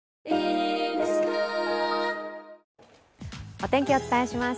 お天気をお伝えします。